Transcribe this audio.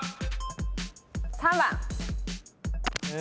３番。